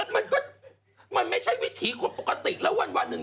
มันก็มันไม่ใช่วิถีคนปกติแล้ววันหนึ่ง